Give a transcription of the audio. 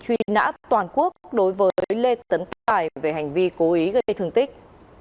truy nã toàn quốc đối với lê tấn tài về hành vi cố ý gây thương tích